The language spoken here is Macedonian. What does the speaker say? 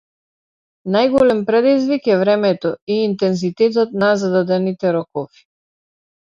Најголем предизвик е времето и интензитетот на зададените рокови.